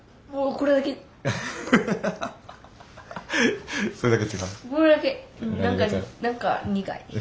これだけ何か苦い！